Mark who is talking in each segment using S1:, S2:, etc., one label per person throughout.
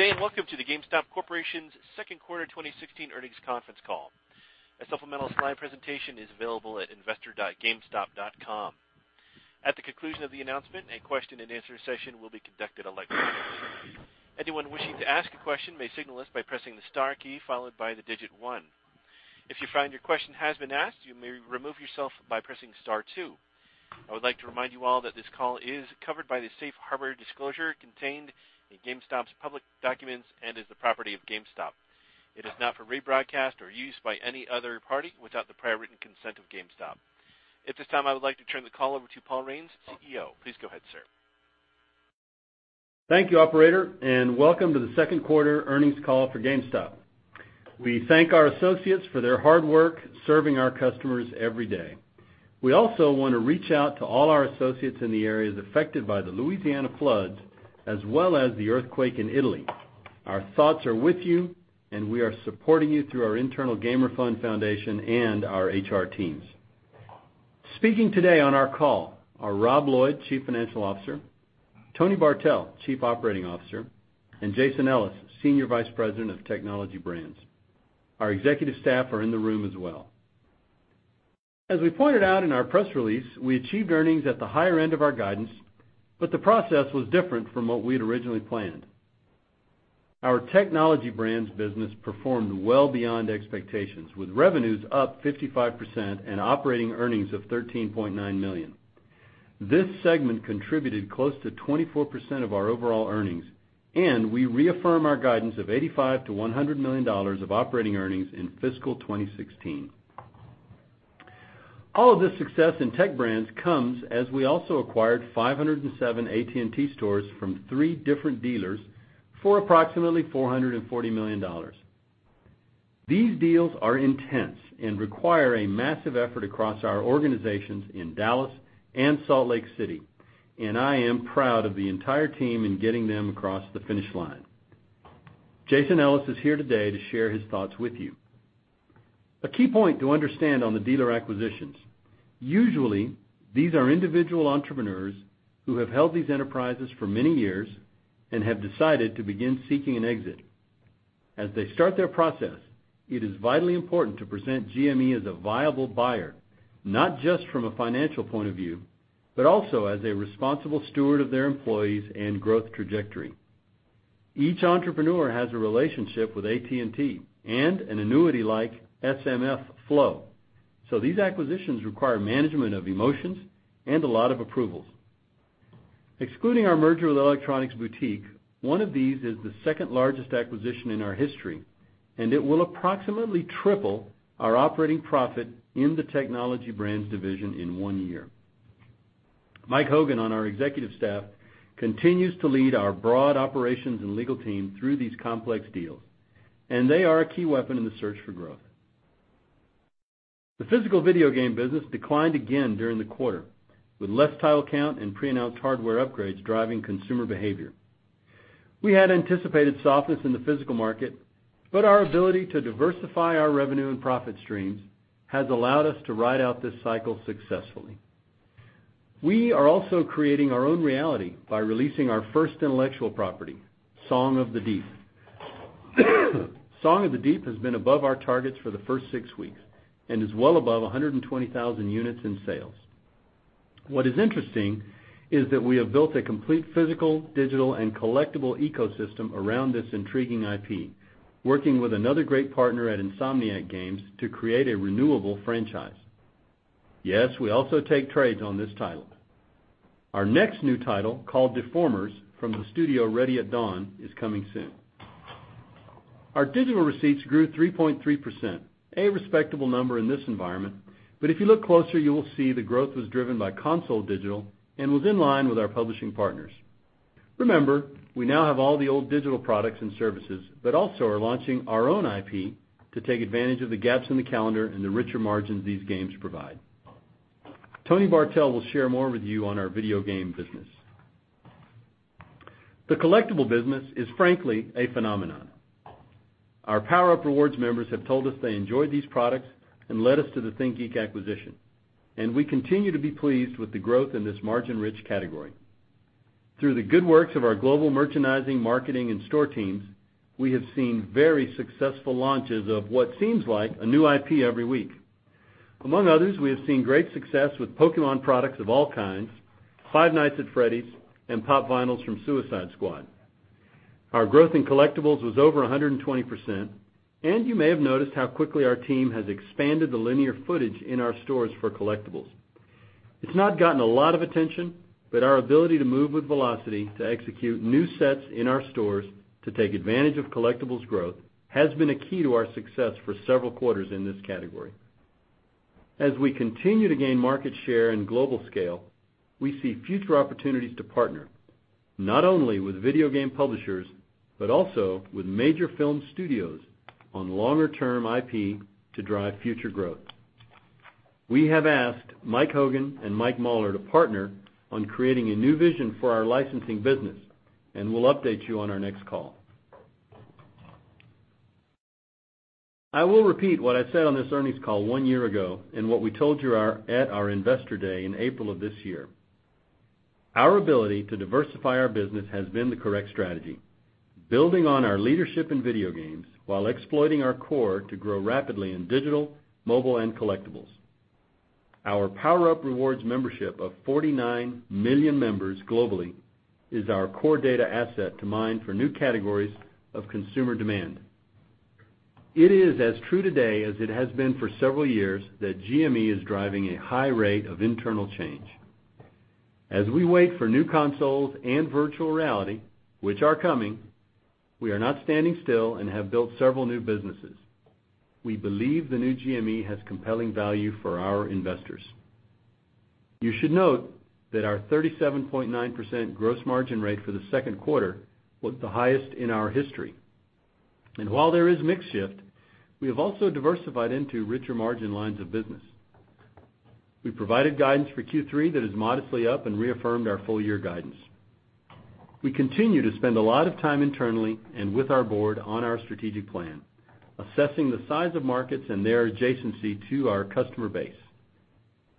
S1: Good day. Welcome to the GameStop Corp.'s second quarter 2016 earnings conference call. A supplemental slide presentation is available at investor.gamestop.com. At the conclusion of the announcement, a question and answer session will be conducted electronically. Anyone wishing to ask a question may signal us by pressing the star key followed by the digit one. If you find your question has been asked, you may remove yourself by pressing star two. I would like to remind you all that this call is covered by the safe harbor disclosure contained in GameStop's public documents and is the property of GameStop. It is not for rebroadcast or use by any other party without the prior written consent of GameStop. At this time, I would like to turn the call over to Paul Raines, CEO. Please go ahead, sir.
S2: Thank you, operator. Welcome to the second quarter earnings call for GameStop. We thank our associates for their hard work serving our customers every day. We also want to reach out to all our associates in the areas affected by the Louisiana floods, as well as the earthquake in Italy. Our thoughts are with you, and we are supporting you through our internal Gamer Fund foundation and our HR teams. Speaking today on our call are Rob Lloyd, Chief Financial Officer, Tony Bartel, Chief Operating Officer, and Jason Ellis, Senior Vice President of Technology Brands. Our executive staff are in the room as well. As we pointed out in our press release, we achieved earnings at the higher end of our guidance. The process was different from what we had originally planned. Our Technology Brands business performed well beyond expectations, with revenues up 55% and operating earnings of $13.9 million. This segment contributed close to 24% of our overall earnings. We reaffirm our guidance of $85 million-$100 million of operating earnings in fiscal 2016. All of this success in Tech Brands comes as we also acquired 507 AT&T stores from three different dealers for approximately $440 million. These deals are intense and require a massive effort across our organizations in Dallas and Salt Lake City. I am proud of the entire team in getting them across the finish line. Jason Ellis is here today to share his thoughts with you. A key point to understand on the dealer acquisitions: usually, these are individual entrepreneurs who have held these enterprises for many years and have decided to begin seeking an exit. As they start their process, it is vitally important to present GME as a viable buyer, not just from a financial point of view, but also as a responsible steward of their employees and growth trajectory. Each entrepreneur has a relationship with AT&T and an annuity-like SMF flow. These acquisitions require management of emotions and a lot of approvals. Excluding our merger with Electronics Boutique, one of these is the second-largest acquisition in our history. It will approximately triple our operating profit in the Technology Brands division in one year. Mike Hogan on our executive staff continues to lead our broad operations and legal team through these complex deals. They are a key weapon in the search for growth. The physical video game business declined again during the quarter, with less title count and pre-announced hardware upgrades driving consumer behavior. We had anticipated softness in the physical market, our ability to diversify our revenue and profit streams has allowed us to ride out this cycle successfully. We are also creating our own reality by releasing our first intellectual property, Song of the Deep. Song of the Deep has been above our targets for the first six weeks and is well above 120,000 units in sales. What is interesting is that we have built a complete physical, digital, and collectible ecosystem around this intriguing IP, working with another great partner at Insomniac Games to create a renewable franchise. Yes, we also take trades on this title. Our next new title, called Deformers, from the studio Ready at Dawn, is coming soon. Our digital receipts grew 3.3%, a respectable number in this environment, if you look closer, you will see the growth was driven by console digital and was in line with our publishing partners. Remember, we now have all the old digital products and services also are launching our own IP to take advantage of the gaps in the calendar and the richer margins these games provide. Tony Bartel will share more with you on our video game business. The collectible business is, frankly, a phenomenon. Our PowerUp Rewards members have told us they enjoy these products and led us to the ThinkGeek acquisition, and we continue to be pleased with the growth in this margin-rich category. Through the good works of our global merchandising, marketing, and store teams, we have seen very successful launches of what seems like a new IP every week. Among others, we have seen great success with Pokémon products of all kinds, Five Nights at Freddy's, and Pop! Vinyls from Suicide Squad. Our growth in collectibles was over 120%, and you may have noticed how quickly our team has expanded the linear footage in our stores for collectibles. It's not gotten a lot of attention, our ability to move with velocity to execute new sets in our stores to take advantage of collectibles growth has been a key to our success for several quarters in this category. As we continue to gain market share and global scale, we see future opportunities to partner not only with video game publishers but also with major film studios on longer-term IP to drive future growth. We have asked Mike Hogan and Mike Mauler to partner on creating a new vision for our licensing business, we'll update you on our next call. I will repeat what I said on this earnings call one year ago and what we told you at our investor day in April of this year. Our ability to diversify our business has been the correct strategy. Building on our leadership in video games while exploiting our core to grow rapidly in digital, mobile, and collectibles. Our PowerUp Rewards membership of 49 million members globally is our core data asset to mine for new categories of consumer demand. It is as true today as it has been for several years that GME is driving a high rate of internal change. As we wait for new consoles and virtual reality, which are coming, we are not standing still and have built several new businesses. We believe the new GME has compelling value for our investors. You should note that our 37.9% gross margin rate for the second quarter was the highest in our history. While there is mix shift, we have also diversified into richer margin lines of business. We provided guidance for Q3 that is modestly up and reaffirmed our full year guidance. We continue to spend a lot of time internally and with our board on our strategic plan, assessing the size of markets and their adjacency to our customer base.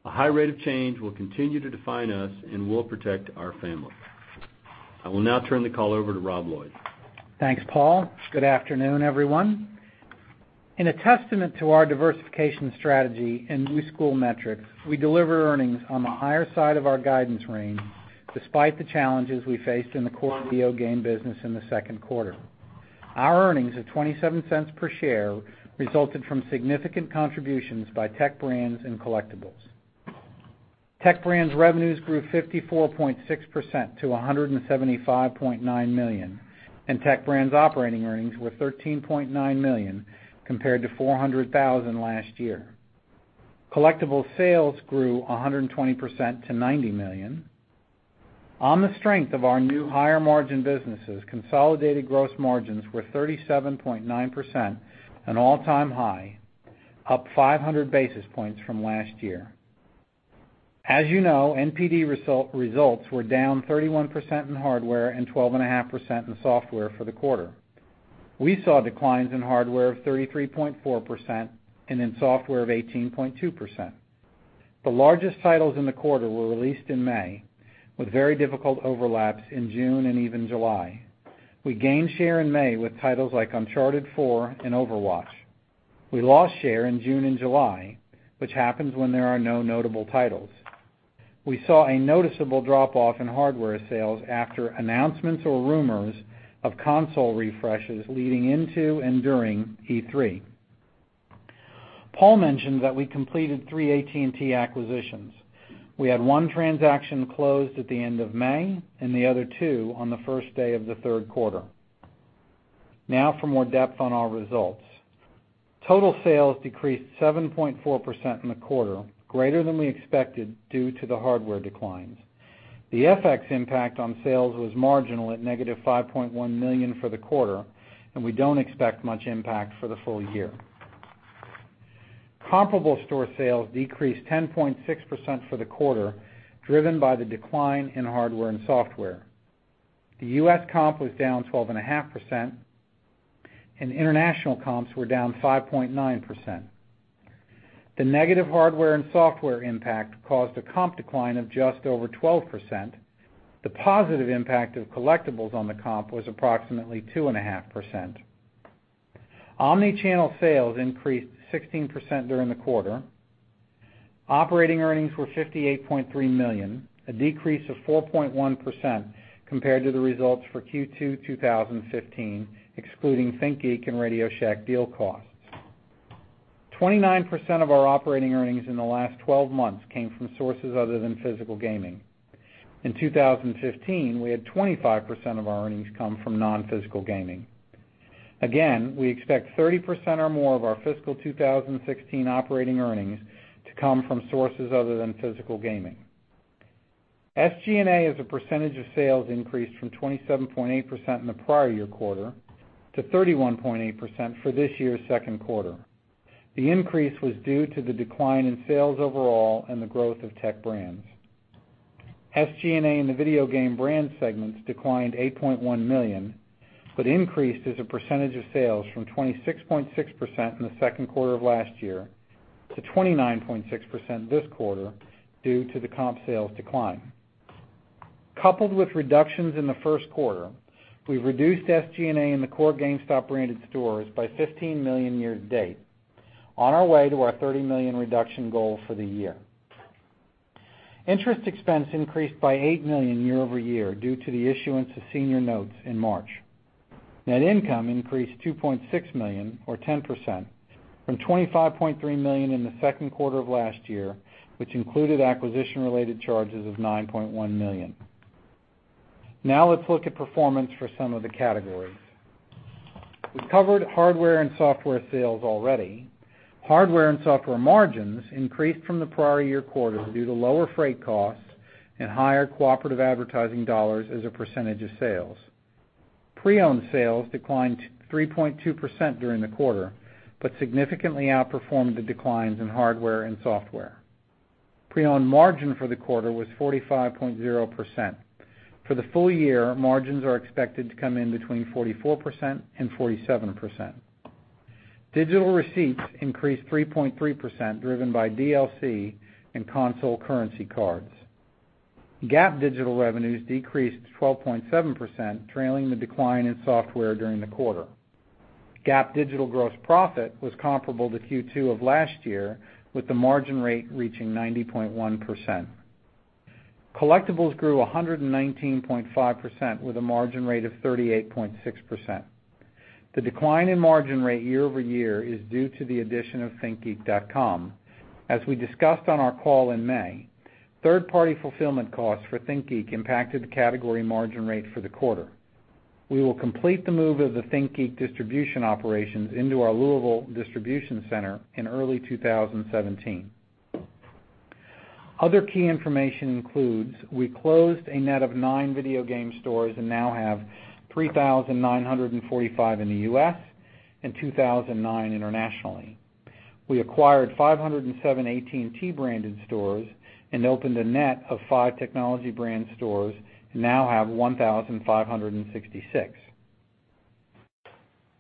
S2: A high rate of change will continue to define us and will protect our family. I will now turn the call over to Rob Lloyd.
S3: Thanks, Paul. Good afternoon, everyone. In a testament to our diversification strategy and new school metrics, we deliver earnings on the higher side of our guidance range, despite the challenges we faced in the core video game business in the second quarter. Our earnings of $0.27 per share resulted from significant contributions by Tech Brands and Collectibles. Tech Brands revenues grew 54.6% to $175.9 million, and Tech Brands operating earnings were $13.9 million compared to $400,000 last year. Collectibles sales grew 120% to $90 million. On the strength of our new higher margin businesses, consolidated gross margins were 37.9%, an all-time high, up 500 basis points from last year. As you know, NPD results were down 31% in hardware and 12.5% in software for the quarter. We saw declines in hardware of 33.4% and in software of 18.2%. The largest titles in the quarter were released in May with very difficult overlaps in June and even July. We gained share in May with titles like Uncharted 4 and Overwatch. We lost share in June and July, which happens when there are no notable titles. We saw a noticeable drop-off in hardware sales after announcements or rumors of console refreshes leading into and during E3. Paul mentioned that we completed three AT&T acquisitions. We had one transaction closed at the end of May and the other two on the first day of the third quarter. Now for more depth on our results. Total sales decreased 7.4% in the quarter, greater than we expected due to the hardware declines. The FX impact on sales was marginal at negative $5.1 million for the quarter. We don't expect much impact for the full year. Comparable store sales decreased 10.6% for the quarter, driven by the decline in hardware and software. The U.S. comp was down 12.5% and international comps were down 5.9%. The negative hardware and software impact caused a comp decline of just over 12%. The positive impact of collectibles on the comp was approximately 2.5%. Omnichannel sales increased 16% during the quarter. Operating earnings were $58.3 million, a decrease of 4.1% compared to the results for Q2 2015, excluding ThinkGeek and RadioShack deal costs. 29% of our operating earnings in the last 12 months came from sources other than physical gaming. In 2015, we had 25% of our earnings come from non-physical gaming. We expect 30% or more of our fiscal 2016 operating earnings to come from sources other than physical gaming. SG&A as a percentage of sales increased from 27.8% in the prior year quarter to 31.8% for this year's second quarter. The increase was due to the decline in sales overall and the growth of Technology Brands. SG&A in the video game brands segments declined $8.1 million, but increased as a percentage of sales from 26.6% in the second quarter of last year to 29.6% this quarter due to the comp sales decline. Coupled with reductions in the first quarter, we've reduced SG&A in the core GameStop branded stores by $15 million year-to-date. On our way to our $30 million reduction goal for the year. Interest expense increased by $8 million year-over-year due to the issuance of senior notes in March. Net income increased $2.6 million or 10% from $25.3 million in the second quarter of last year, which included acquisition-related charges of $9.1 million. Now let's look at performance for some of the categories. We've covered hardware and software sales already. Hardware and software margins increased from the prior year quarter due to lower freight costs and higher cooperative advertising dollars as a percentage of sales. Pre-owned sales declined 3.2% during the quarter, but significantly outperformed the declines in hardware and software. Pre-owned margin for the quarter was 45.0%. For the full year, margins are expected to come in between 44%-47%. Digital receipts increased 3.3%, driven by DLC and console currency cards. GAAP digital revenues decreased to 12.7%, trailing the decline in software during the quarter. GAAP digital gross profit was comparable to Q2 of last year, with the margin rate reaching 90.1%. Collectibles grew 119.5% with a margin rate of 38.6%. The decline in margin rate year-over-year is due to the addition of thinkgeek.com. As we discussed on our call in May, third-party fulfillment costs for ThinkGeek impacted the category margin rate for the quarter. We will complete the move of the ThinkGeek distribution operations into our Louisville distribution center in early 2017. Other key information includes, we closed a net of nine video game stores and now have 3,945 in the U.S. and 2,009 internationally. We acquired 507 AT&T branded stores and opened a net of five Technology Brands stores and now have 1,566.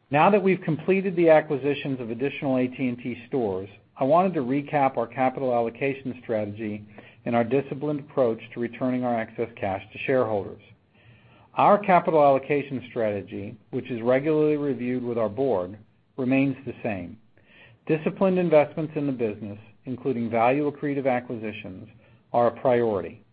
S3: Now that we've completed the acquisitions of additional AT&T stores, I wanted to recap our capital allocation strategy and our disciplined approach to returning our excess cash to shareholders. Our capital allocation strategy, which is regularly reviewed with our board, remains the same. Disciplined investments in the business, including value-accretive acquisitions, are a priority.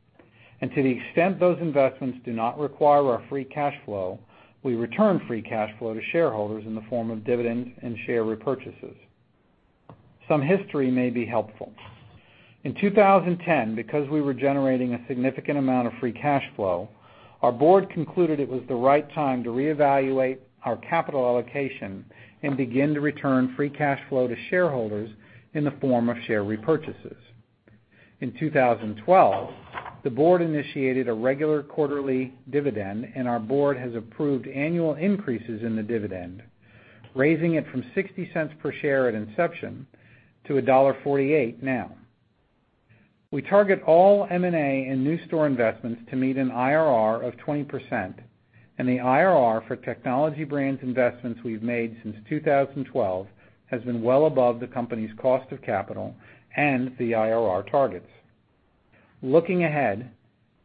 S3: To the extent those investments do not require our free cash flow, we return free cash flow to shareholders in the form of dividends and share repurchases. Some history may be helpful. In 2010, because we were generating a significant amount of free cash flow, our board concluded it was the right time to reevaluate our capital allocation and begin to return free cash flow to shareholders in the form of share repurchases. In 2012, the board initiated a regular quarterly dividend, and our board has approved annual increases in the dividend, raising it from $0.60 per share at inception to $1.48 now. We target all M&A and new store investments to meet an IRR of 20%, and the IRR for Technology Brands investments we've made since 2012 has been well above the company's cost of capital and the IRR targets. Looking ahead,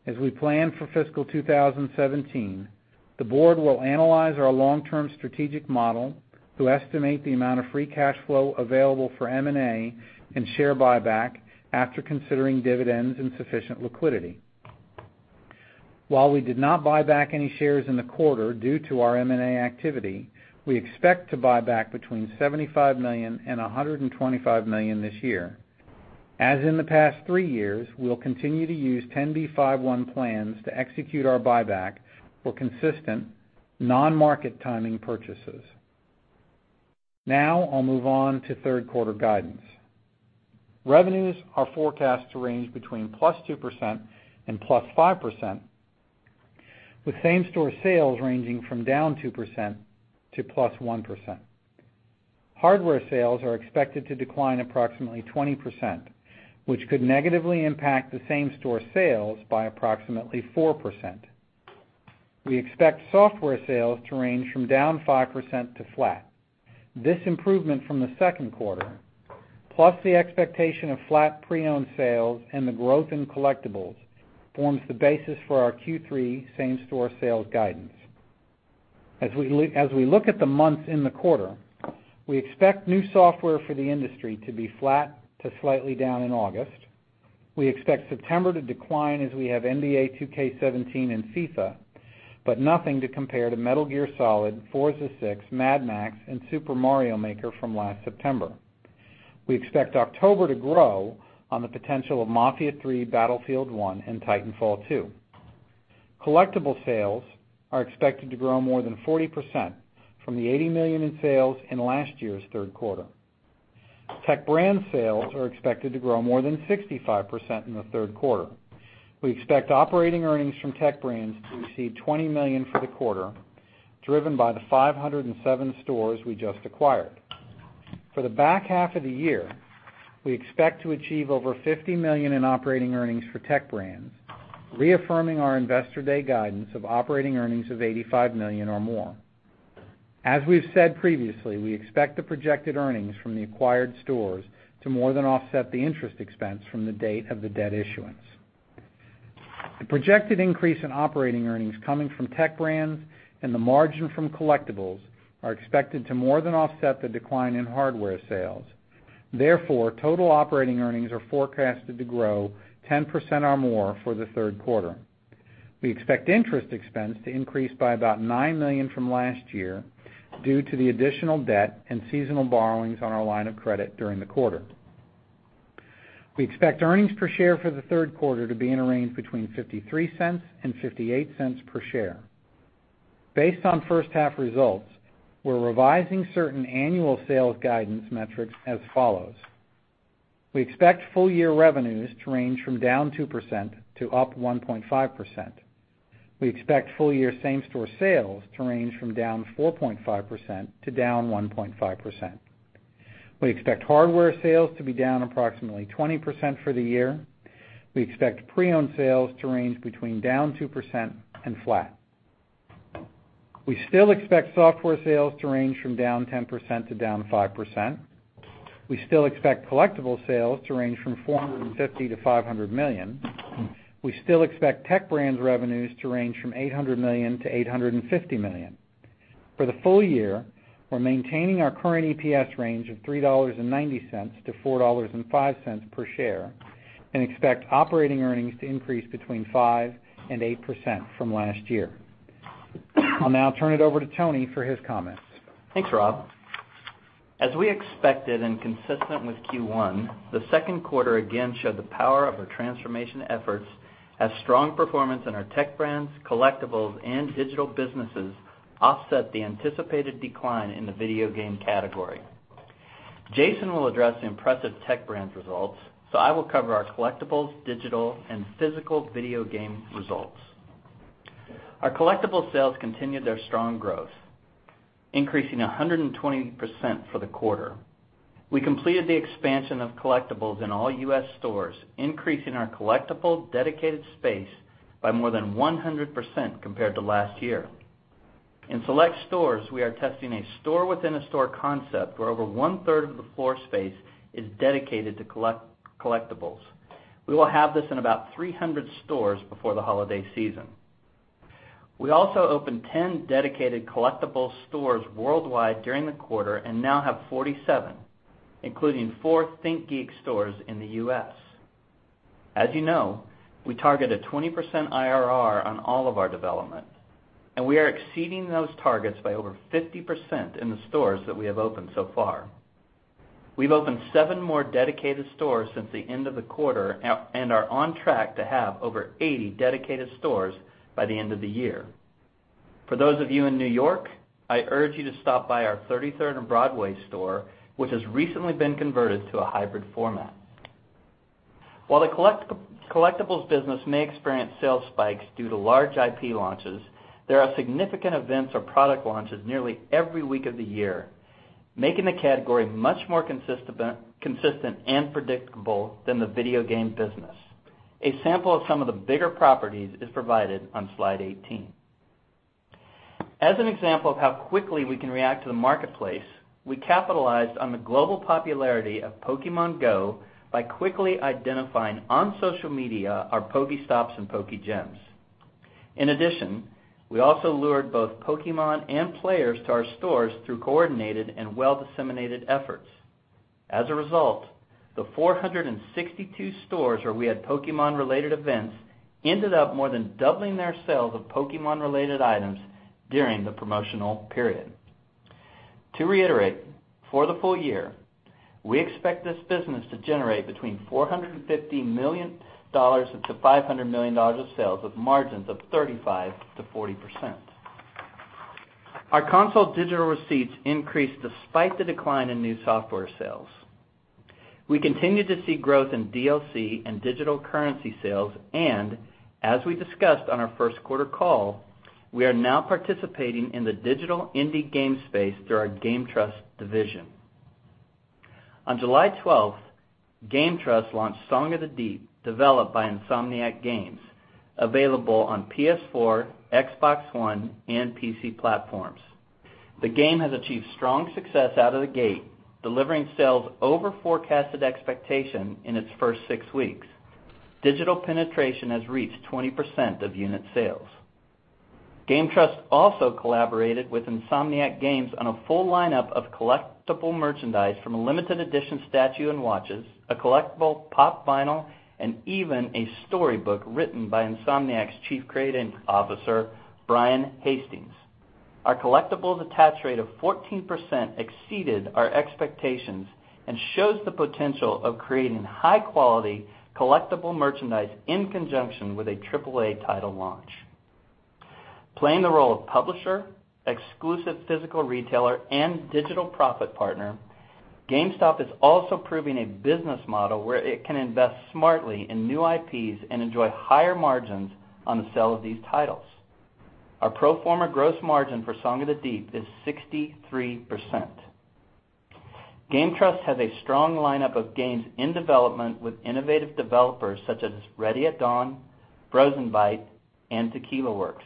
S3: as we plan for fiscal 2017, the board will analyze our long-term strategic model to estimate the amount of free cash flow available for M&A and share buyback after considering dividends and sufficient liquidity. While we did not buy back any shares in the quarter due to our M&A activity, we expect to buy back between $75 million and $125 million this year. As in the past three years, we will continue to use 10b5-1 plans to execute our buyback for consistent non-market timing purchases. I'll move on to third quarter guidance. Revenues are forecast to range between +2% and +5%, with same-store sales ranging from -2% to +1%. Hardware sales are expected to decline approximately 20%, which could negatively impact the same-store sales by approximately 4%. We expect software sales to range from -5% to flat. This improvement from the second quarter, plus the expectation of flat pre-owned sales and the growth in collectibles, forms the basis for our Q3 same-store sales guidance. As we look at the months in the quarter, we expect new software for the industry to be flat to slightly down in August. We expect September to decline as we have NBA 2K17 and FIFA, but nothing to compare to Metal Gear Solid, Forza 6, Mad Max, and Super Mario Maker from last September. We expect October to grow on the potential of Mafia III, Battlefield 1, and Titanfall 2. Collectible sales are expected to grow more than 40% from the $80 million in sales in last year's third quarter. Tech Brands sales are expected to grow more than 65% in the third quarter. We expect operating earnings from Tech Brands to exceed $20 million for the quarter, driven by the 507 stores we just acquired. For the back half of the year, we expect to achieve over $50 million in operating earnings for Tech Brands, reaffirming our Investor Day guidance of operating earnings of $85 million or more. As we've said previously, we expect the projected earnings from the acquired stores to more than offset the interest expense from the date of the debt issuance. The projected increase in operating earnings coming from Tech Brands and the margin from collectibles are expected to more than offset the decline in hardware sales. Total operating earnings are forecasted to grow 10% or more for the third quarter. We expect interest expense to increase by about $9 million from last year due to the additional debt and seasonal borrowings on our line of credit during the quarter. We expect earnings per share for the third quarter to be in a range between $0.53 and $0.58 per share. Based on first half results, we're revising certain annual sales guidance metrics as follows. We expect full year revenues to range from -2% to +1.5%. We expect full-year same-store sales to range from -4.5% to -1.5%. We expect hardware sales to be down approximately 20% for the year. We expect pre-owned sales to range between -2% and flat. We still expect software sales to range from -10% to -5%. We still expect collectible sales to range from $450 million to $500 million. We still expect Tech Brands revenues to range from $800 million-$850 million. For the full year, we're maintaining our current EPS range of $3.90-$4.05 per share, and expect operating earnings to increase between 5% and 8% from last year. I'll now turn it over to Tony for his comments.
S4: Thanks, Rob. As we expected, consistent with Q1, the second quarter again showed the power of our transformation efforts as strong performance in our Tech Brands, Collectibles, and Digital businesses offset the anticipated decline in the video game category. Jason will address the impressive Tech Brands results, so I will cover our Collectibles, Digital, and physical video game results. Our Collectibles sales continued their strong growth, increasing 120% for the quarter. We completed the expansion of Collectibles in all U.S. stores, increasing our Collectible dedicated space by more than 100% compared to last year. In select stores, we are testing a store-within-a-store concept, where over one-third of the floor space is dedicated to Collectibles. We will have this in about 300 stores before the holiday season. We also opened 10 dedicated Collectibles stores worldwide during the quarter, and now have 47, including four ThinkGeek stores in the U.S. As you know, we target a 20% IRR on all of our development, we are exceeding those targets by over 50% in the stores that we have opened so far. We've opened seven more dedicated stores since the end of the quarter and are on track to have over 80 dedicated stores by the end of the year. For those of you in New York, I urge you to stop by our 33rd and Broadway store, which has recently been converted to a hybrid format. While the Collectibles business may experience sales spikes due to large IP launches, there are significant events or product launches nearly every week of the year, making the category much more consistent and predictable than the video game business. A sample of some of the bigger properties is provided on slide 18. As an example of how quickly we can react to the marketplace, we capitalized on the global popularity of Pokémon GO by quickly identifying on social media our PokéStops and PokéGyms. In addition, we also lured both Pokémon and players to our stores through coordinated and well-disseminated efforts. As a result, the 462 stores where we had Pokémon-related events ended up more than doubling their sales of Pokémon-related items during the promotional period. To reiterate, for the full year, we expect this business to generate between $450 million-$500 million of sales with margins of 35%-40%. Our console digital receipts increased despite the decline in new software sales. We continue to see growth in DLC and digital currency sales and, as we discussed on our first quarter call, we are now participating in the digital indie game space through our GameTrust division. On July 12th, GameTrust launched Song of the Deep, developed by Insomniac Games, available on PS4, Xbox One, and PC platforms. The game has achieved strong success out of the gate, delivering sales over forecasted expectation in its first six weeks. Digital penetration has reached 20% of unit sales. GameTrust also collaborated with Insomniac Games on a full lineup of collectible merchandise from a limited edition statue and watches, a collectible Pop! Vinyl, and even a storybook written by Insomniac's Chief Creative Officer, Brian Hastings. Our collectibles attach rate of 14% exceeded our expectations and shows the potential of creating high-quality collectible merchandise in conjunction with a AAA title launch. Playing the role of publisher, exclusive physical retailer, and digital profit partner, GameStop is also proving a business model where it can invest smartly in new IPs and enjoy higher margins on the sale of these titles. Our pro forma gross margin for Song of the Deep is 63%. GameTrust has a strong lineup of games in development with innovative developers such as Ready at Dawn, Frozenbyte, and Tequila Works.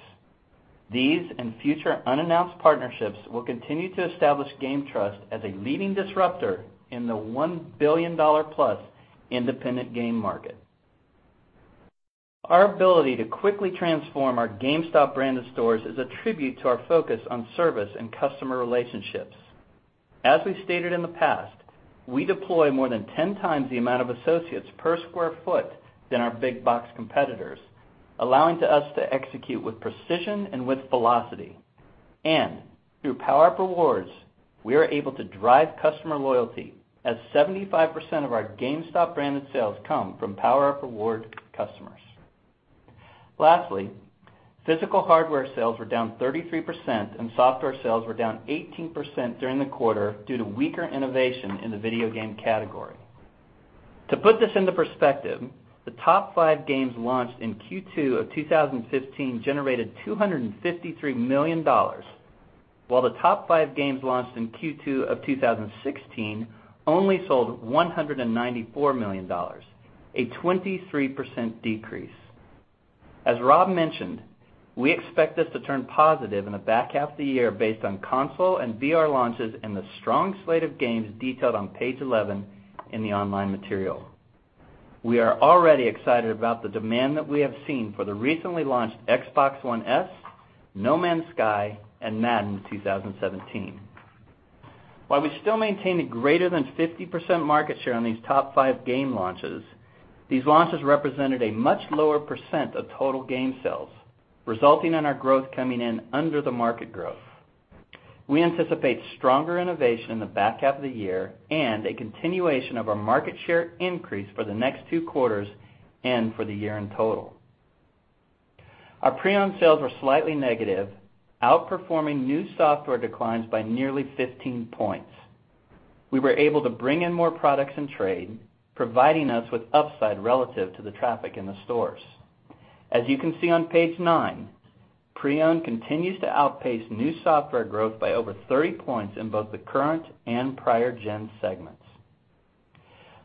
S4: These and future unannounced partnerships will continue to establish GameTrust as a leading disruptor in the $1 billion-plus independent game market. Our ability to quickly transform our GameStop branded stores is a tribute to our focus on service and customer relationships. As we stated in the past, we deploy more than 10 times the amount of associates per square foot than our big box competitors, allowing to us to execute with precision and with velocity. Through PowerUp Rewards, we are able to drive customer loyalty as 75% of our GameStop branded sales come from PowerUp Reward customers. Lastly, physical hardware sales were down 33% and software sales were down 18% during the quarter due to weaker innovation in the video game category. To put this into perspective, the top five games launched in Q2 of 2015 generated $253 million, while the top five games launched in Q2 of 2016 only sold $194 million, a 23% decrease. As Rob mentioned, we expect this to turn positive in the back half of the year based on console and VR launches and the strong slate of games detailed on page 11 in the online material. We are already excited about the demand that we have seen for the recently launched Xbox One S, No Man's Sky, and Madden 2017. While we still maintain a greater than 50% market share on these top five game launches, these launches represented a much lower percent of total game sales, resulting in our growth coming in under the market growth. We anticipate stronger innovation in the back half of the year and a continuation of our market share increase for the next two quarters and for the year in total. Our pre-owned sales were slightly negative, outperforming new software declines by nearly 15 points. We were able to bring in more products and trade, providing us with upside relative to the traffic in the stores. As you can see on page nine, pre-owned continues to outpace new software growth by over 30 points in both the current and prior gen segments.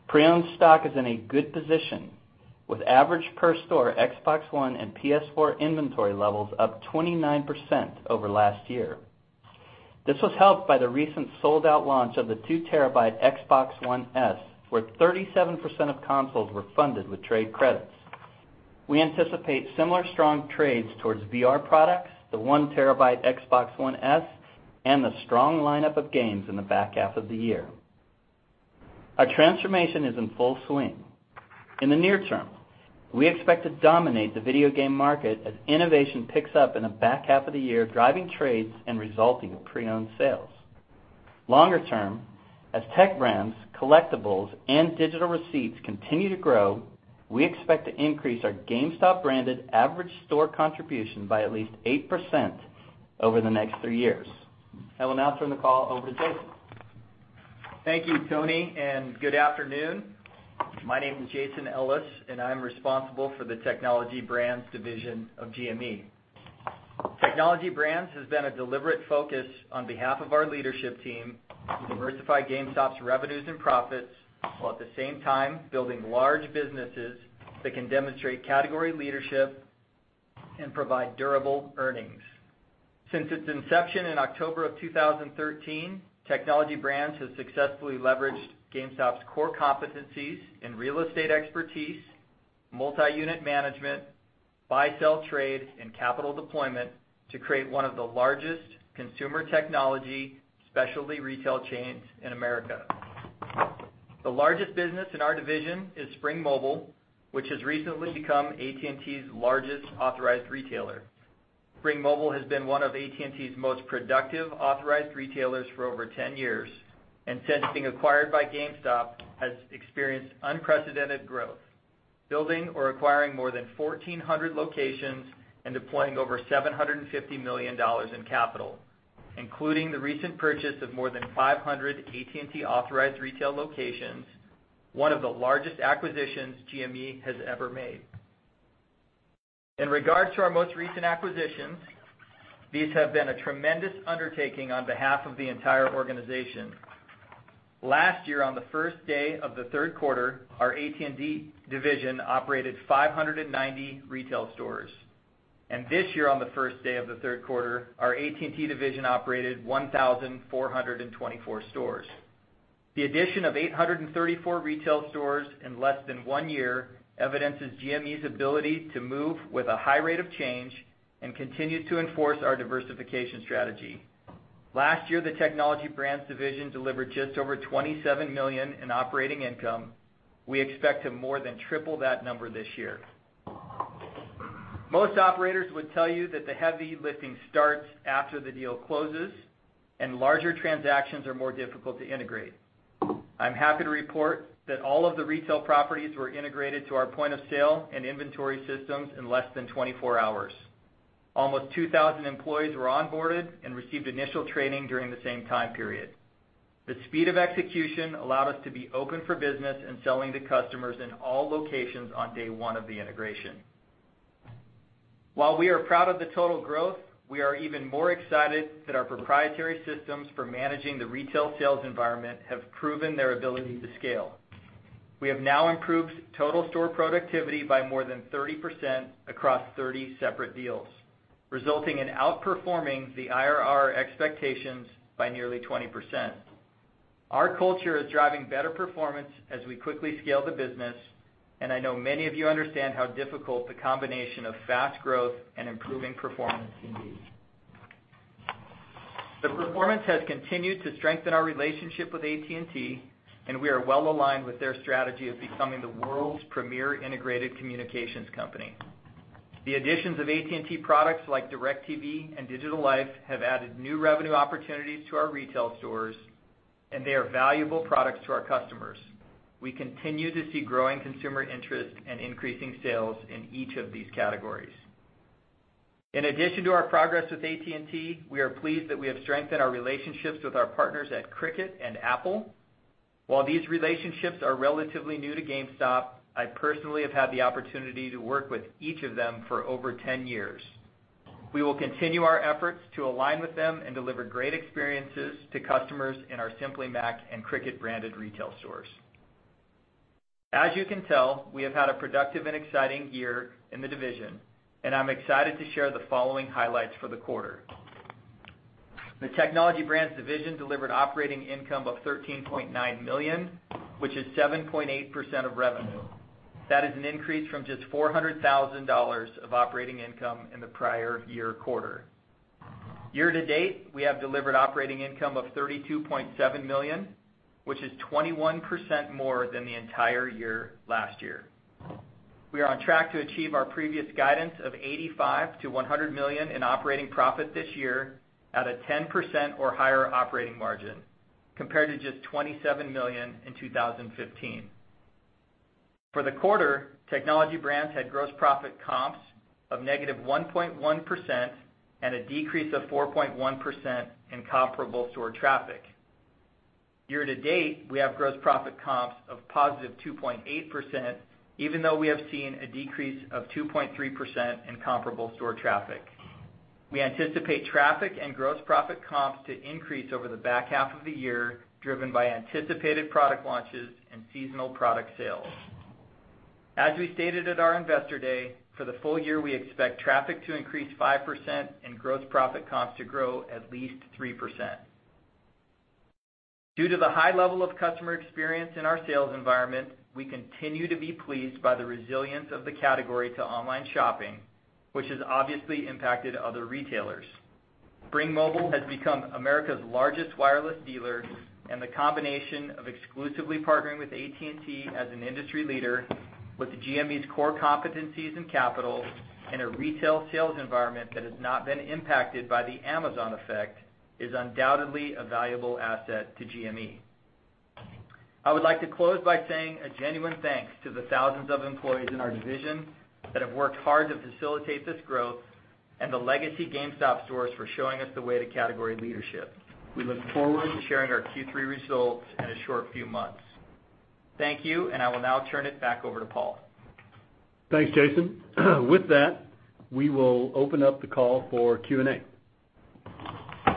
S4: Pre-owned stock is in a good position with average per store Xbox One and PS4 inventory levels up 29% over last year. This was helped by the recent sold-out launch of the two terabyte Xbox One S, where 37% of consoles were funded with trade credits. We anticipate similar strong trades towards VR products, the one terabyte Xbox One S, and the strong lineup of games in the back half of the year. Our transformation is in full swing. In the near term, we expect to dominate the video game market as innovation picks up in the back half of the year, driving trades and resulting in pre-owned sales. Longer term, as Technology Brands, collectibles, and digital receipts continue to grow, we expect to increase our GameStop branded average store contribution by at least 8% over the next three years. I will now turn the call over to Jason.
S5: Thank you, Tony. Good afternoon. My name is Jason Ellis, and I am responsible for the Technology Brands division of GME. Technology Brands has been a deliberate focus on behalf of our leadership team to diversify GameStop's revenues and profits, while at the same time building large businesses that can demonstrate category leadership and provide durable earnings. Since its inception in October of 2013, Technology Brands has successfully leveraged GameStop's core competencies in real estate expertise, multi-unit management, buy, sell, trade, and capital deployment to create one of the largest consumer technology specialty retail chains in America. The largest business in our division is Spring Mobile, which has recently become AT&T's largest authorized retailer. Spring Mobile has been one of AT&T's most productive authorized retailers for over 10 years, and since being acquired by GameStop, has experienced unprecedented growth, building or acquiring more than 1,400 locations and deploying over $750 million in capital, including the recent purchase of more than 500 AT&T authorized retail locations, one of the largest acquisitions GME has ever made. In regards to our most recent acquisitions, these have been a tremendous undertaking on behalf of the entire organization. Last year, on the first day of the third quarter, our AT&T division operated 590 retail stores, and this year, on the first day of the third quarter, our AT&T division operated 1,424 stores. The addition of 834 retail stores in less than one year evidences GME's ability to move with a high rate of change and continues to enforce our diversification strategy. Last year, the Technology Brands division delivered just over $27 million in operating income. We expect to more than triple that number this year. Most operators would tell you that the heavy lifting starts after the deal closes and larger transactions are more difficult to integrate. I am happy to report that all of the retail properties were integrated to our point of sale and inventory systems in less than 24 hours. Almost 2,000 employees were onboarded and received initial training during the same time period. The speed of execution allowed us to be open for business and selling to customers in all locations on day one of the integration. While we are proud of the total growth, we are even more excited that our proprietary systems for managing the retail sales environment have proven their ability to scale. We have now improved total store productivity by more than 30% across 30 separate deals, resulting in outperforming the IRR expectations by nearly 20%. Our culture is driving better performance as we quickly scale the business. I know many of you understand how difficult the combination of fast growth and improving performance can be. The performance has continued to strengthen our relationship with AT&T. We are well aligned with their strategy of becoming the world's premier integrated communications company. The additions of AT&T products like DIRECTV and Digital Life have added new revenue opportunities to our retail stores, and they are valuable products to our customers. We continue to see growing consumer interest and increasing sales in each of these categories. In addition to our progress with AT&T, we are pleased that we have strengthened our relationships with our partners at Cricket and Apple. While these relationships are relatively new to GameStop, I personally have had the opportunity to work with each of them for over 10 years. We will continue our efforts to align with them and deliver great experiences to customers in our Simply Mac and Cricket branded retail stores. As you can tell, we have had a productive and exciting year in the division. I am excited to share the following highlights for the quarter. The Technology Brands division delivered operating income of $13.9 million, which is 7.8% of revenue. That is an increase from just $400,000 of operating income in the prior year quarter. Year to date, we have delivered operating income of $32.7 million, which is 21% more than the entire year last year. We are on track to achieve our previous guidance of $85 million-$100 million in operating profit this year at a 10% or higher operating margin, compared to just $27 million in 2015. For the quarter, Technology Brands had gross profit comps of negative 1.1% and a decrease of 4.1% in comparable store traffic. Year to date, we have gross profit comps of positive 2.8%, even though we have seen a decrease of 2.3% in comparable store traffic. We anticipate traffic and gross profit comps to increase over the back half of the year, driven by anticipated product launches and seasonal product sales. As we stated at our investor day, for the full year, we expect traffic to increase 5% and gross profit comps to grow at least 3%. Due to the high level of customer experience in our sales environment, we continue to be pleased by the resilience of the category to online shopping, which has obviously impacted other retailers. Spring Mobile has become America's largest wireless dealer. The combination of exclusively partnering with AT&T as an industry leader with GME's core competencies and capital, and a retail sales environment that has not been impacted by the Amazon effect, is undoubtedly a valuable asset to GME. I would like to close by saying a genuine thanks to the thousands of employees in our division that have worked hard to facilitate this growth, and the legacy GameStop stores for showing us the way to category leadership. We look forward to sharing our Q3 results in a short few months. Thank you. I will now turn it back over to Paul.
S2: Thanks, Jason. With that, we will open up the call for Q&A.
S1: Thank you.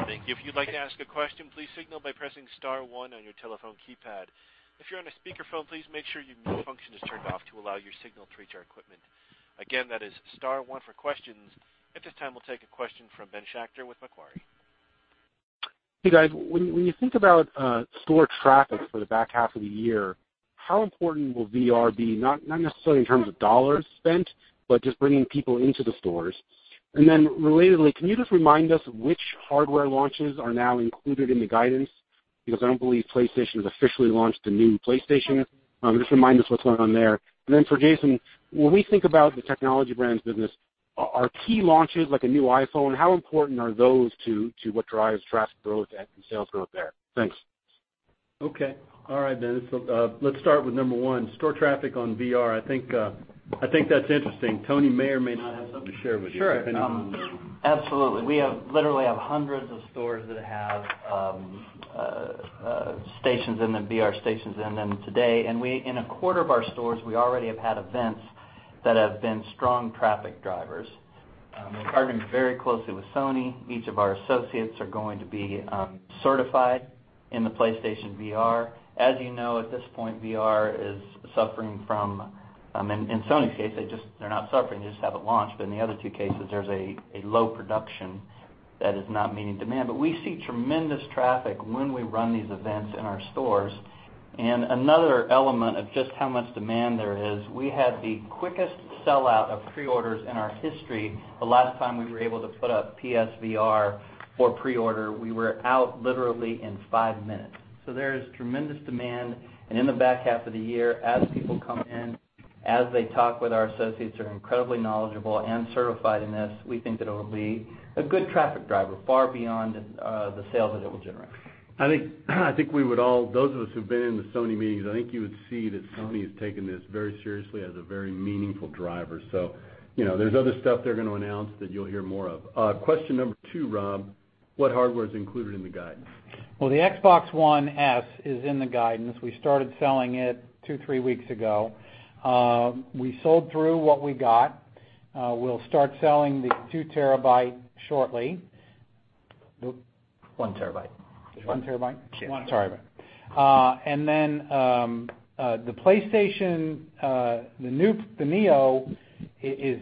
S1: If you'd like to ask a question, please signal by pressing star one on your telephone keypad. If you're on a speakerphone, please make sure your mute function is turned off to allow your signal to reach our equipment. Again, that is star one for questions. At this time, we'll take a question from Ben Schachter with Macquarie.
S6: Hey, guys. When you think about store traffic for the back half of the year, how important will VR be, not necessarily in terms of dollars spent, but just bringing people into the stores? Relatedly, can you just remind us which hardware launches are now included in the guidance? Because I don't believe PlayStation has officially launched the new PlayStation. Just remind us what's going on there. For Jason, when we think about the Technology Brands business, are key launches like a new iPhone, how important are those to what drives traffic growth and sales growth there? Thanks.
S2: Okay. All right, Ben. Let's start with number one, store traffic on VR. I think that's interesting. Tony may or may not have something to share with you.
S4: Sure. Absolutely. We literally have hundreds of stores that have VR stations in them today. In a quarter of our stores, we already have had events that have been strong traffic drivers. We're partnering very closely with Sony. Each of our associates are going to be certified in the PlayStation VR. As you know, at this point, VR is suffering from. In Sony's case, they're not suffering, they just haven't launched, but in the other two cases, there's a low production that is not meeting demand. We see tremendous traffic when we run these events in our stores. Another element of just how much demand there is, we had the quickest sellout of pre-orders in our history the last time we were able to put up PSVR for pre-order. We were out literally in five minutes. There is tremendous demand. In the back half of the year, as people come in, as they talk with our associates who are incredibly knowledgeable and certified in this, we think that it'll be a good traffic driver, far beyond the sales that it will generate.
S2: I think those of us who've been in the Sony meetings, I think you would see that Sony has taken this very seriously as a very meaningful driver. There's other stuff they're going to announce that you'll hear more of. Question number two, Rob, what hardware's included in the guidance?
S4: The Xbox One S is in the guidance. We started selling it two, three weeks ago. We sold through what we got. We'll start selling the 2 terabyte shortly.
S5: 1 terabyte.
S4: 1 terabyte? Sorry about that. Then the PlayStation, the Neo, is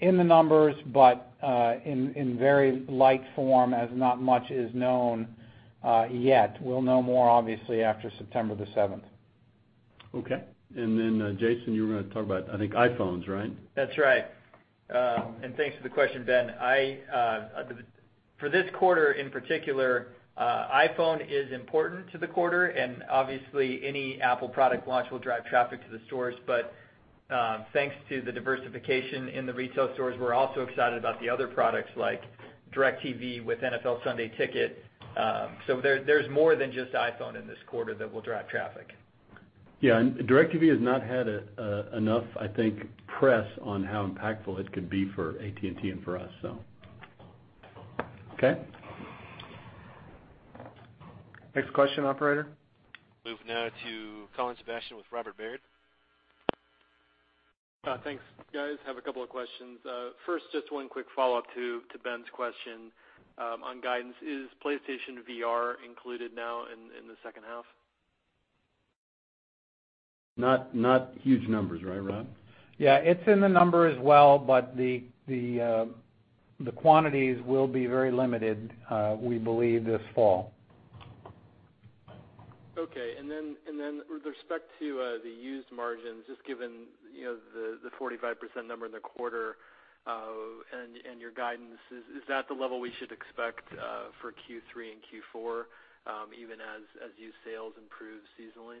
S4: in the numbers, but in very light form as not much is known yet. We'll know more, obviously, after September the 7th.
S2: Okay. Then Jason, you were going to talk about, I think, iPhones, right?
S5: That's right. Thanks for the question, Ben. For this quarter in particular, iPhone is important to the quarter, and obviously any Apple product launch will drive traffic to the stores. Thanks to the diversification in the retail stores, we're also excited about the other products like DIRECTV with NFL Sunday Ticket. There's more than just iPhone in this quarter that will drive traffic.
S2: Yeah, DIRECTV has not had enough press on how impactful it could be for AT&T and for us. Okay. Next question, operator.
S1: Move now to Colin Sebastian with Robert W. Baird.
S7: Thanks, guys. Have a couple of questions. First, just one quick follow-up to Ben's question on guidance. Is PlayStation VR included now in the second half?
S2: Not huge numbers, right, Rob?
S3: Yeah, it's in the number as well, but the quantities will be very limited, we believe, this fall.
S7: Okay. Then with respect to the used margins, just given the 45% number in the quarter, and your guidance, is that the level we should expect for Q3 and Q4, even as used sales improve seasonally?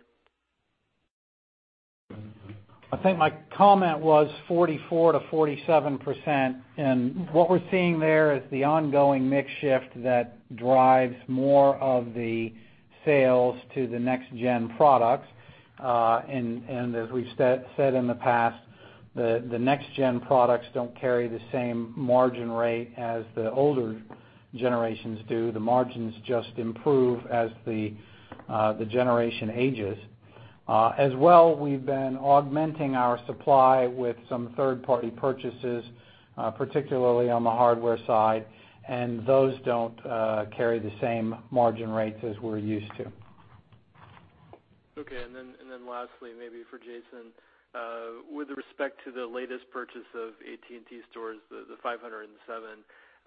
S3: I think my comment was 44%-47%, what we're seeing there is the ongoing mix shift that drives more of the sales to the next-gen products. As we've said in the past, the next-gen products don't carry the same margin rate as the older generations do. The margins just improve as the generation ages. Well, we've been augmenting our supply with some third-party purchases, particularly on the hardware side, and those don't carry the same margin rates as we're used to.
S7: Okay, then lastly, maybe for Jason, with respect to the latest purchase of AT&T stores, the 507,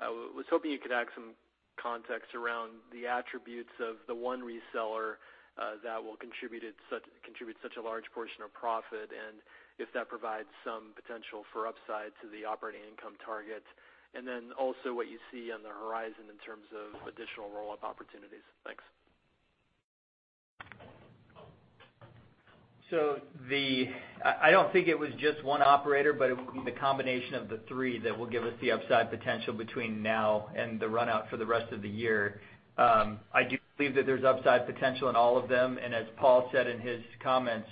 S7: I was hoping you could add some context around the attributes of the one reseller that will contribute such a large portion of profit, and if that provides some potential for upside to the operating income target. Then also what you see on the horizon in terms of additional roll-up opportunities. Thanks.
S5: I don't think it was just one operator, but it will be the combination of the three that will give us the upside potential between now and the run-out for the rest of the year. I do believe that there's upside potential in all of them, and as Paul said in his comments,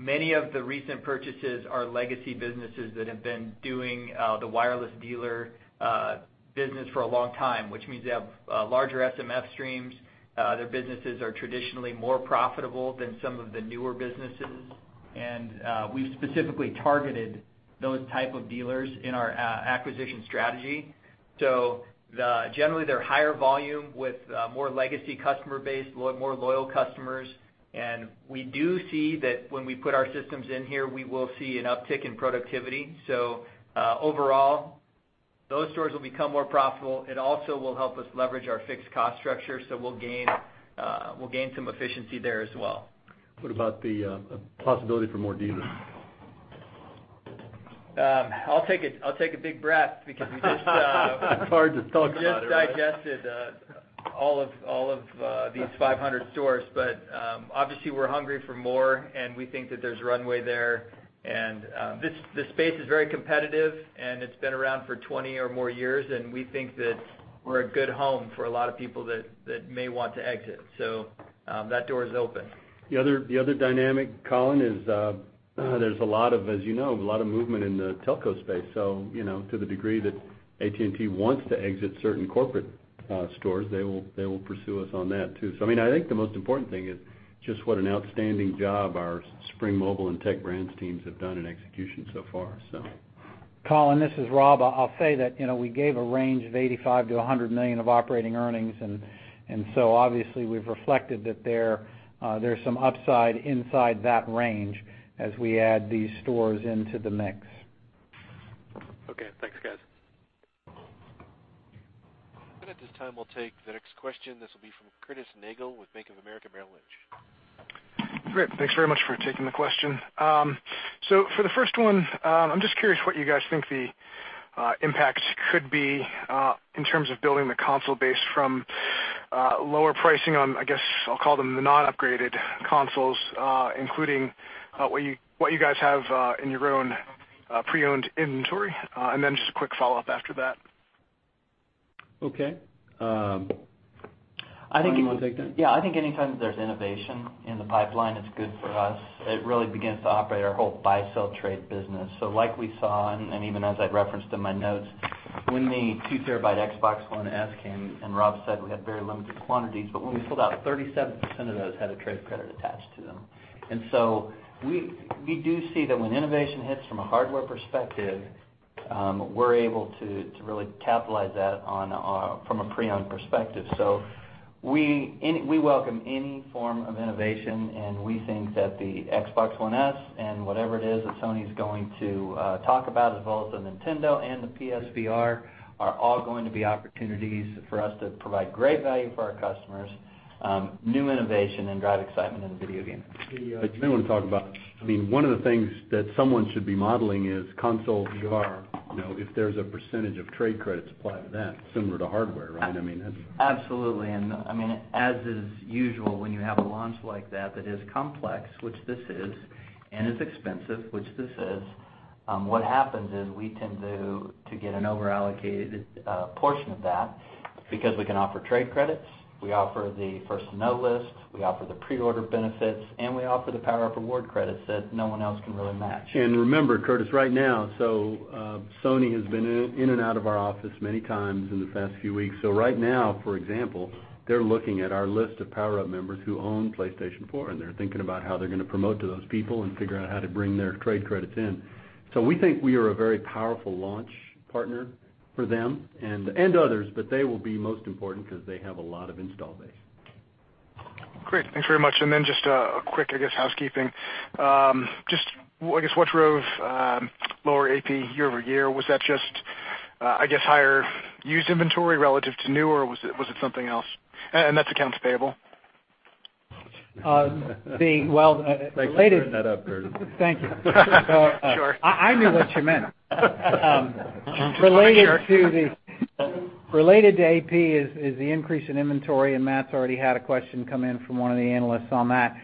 S5: many of the recent purchases are legacy businesses that have been doing the wireless dealer business for a long time, which means they have larger SMF streams. Their businesses are traditionally more profitable than some of the newer businesses. We've specifically targeted those type of dealers in our acquisition strategy. Generally, they're higher volume with a more legacy customer base, more loyal customers. We do see that when we put our systems in here, we will see an uptick in productivity. Overall, those stores will become more profitable. It also will help us leverage our fixed cost structure, so we'll gain some efficiency there as well.
S2: What about the possibility for more dealers?
S5: I'll take a big breath because we just-
S2: It's hard to talk about it, right?
S5: just digested all of these 500 stores. Obviously, we're hungry for more, we think that there's runway there. This space is very competitive, it's been around for 20 or more years, we think that we're a good home for a lot of people that may want to exit. That door is open.
S2: The other dynamic, Colin, is there's, as you know, a lot of movement in the telco space. To the degree that AT&T wants to exit certain corporate stores, they will pursue us on that, too. I think the most important thing is just what an outstanding job our Spring Mobile and Tech Brands teams have done in execution so far.
S3: Colin, this is Rob. I'll say that we gave a range of $85 million-$100 million of operating earnings. Obviously, we've reflected that there's some upside inside that range as we add these stores into the mix.
S7: Okay, thanks, guys.
S1: At this time, we'll take the next question. This will be from Curtis Nagle with Bank of America Merrill Lynch.
S8: Great. Thanks very much for taking the question. For the first one, I'm just curious what you guys think the impacts could be in terms of building the console base from lower pricing on, I guess, I'll call them the non-upgraded consoles, including what you guys have in your own pre-owned inventory. Then just a quick follow-up after that.
S2: Okay. Colin, do you want to take that?
S5: Yeah. I think anytime that there's innovation in the pipeline, it's good for us. It really begins to operate our whole buy-sell-trade business. Like we saw, and even as I'd referenced in my notes, when the 2 terabyte Xbox One S came, and Rob said we had very limited quantities, but when we sold out, 37% of those had a trade credit attached to them. We do see that when innovation hits from a hardware perspective, we're able to really capitalize that from a pre-owned perspective. We welcome any form of innovation, and we think that the Xbox One S and whatever it is that Sony's going to talk about, as well as the Nintendo and the PSVR, are all going to be opportunities for us to provide great value for our customers, new innovation, and drive excitement in the video game.
S2: I do want to talk about, one of the things that someone should be modeling is console VR, if there's a % of trade credits applied to that similar to hardware, right?
S5: Absolutely. As is usual, when you have a launch like that that is complex, which this is, and is expensive, which this is.
S3: What happens is we tend to get an over-allocated portion of that because we can offer trade credits, we offer the first to know list, we offer the pre-order benefits, and we offer the PowerUp Rewards credits that no one else can really match.
S2: Remember, Curtis, right now, Sony has been in and out of our office many times in the past few weeks. Right now, for example, they're looking at our list of PowerUp members who own PlayStation 4, and they're thinking about how they're going to promote to those people and figure out how to bring their trade credits in. We think we are a very powerful launch partner for them and others, but they will be most important because they have a lot of install base.
S8: Great. Thanks very much. Just a quick, I guess, housekeeping. Just, I guess, what drove lower AP year-over-year? Was that just, I guess, higher used inventory relative to new, or was it something else? That's accounts payable.
S2: Thanks for clearing that up, Curtis.
S3: Thank you.
S8: Sure.
S3: I knew what you meant. Related to AP is the increase in inventory, Matt's already had a question come in from one of the analysts on that.